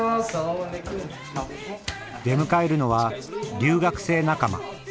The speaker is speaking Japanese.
出迎えるのは留学生仲間。